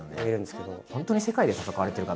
本当に世界で戦われてる方ですからね。